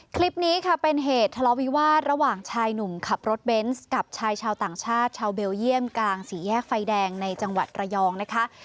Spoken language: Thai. คลิปนี้ค่ะเป็นเหตุทะเลาวิวาสระหว่างชายหนุ่มขับรถเบนส์กับชายชาวต่างชาติชาวเบลเยี่ยมกลางสี่แยกไฟแดงในจังหวัดระยองนะคะ